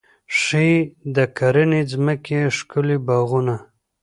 ښې د کرنې ځمکې، ښکلي باغونه